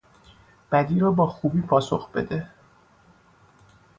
بدی را با خوبی پاسخ بده.